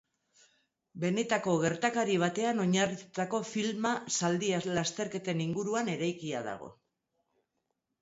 Benetako gertakari batean oinarritutako filma zaldi lasterketen inguruan eraikia dago.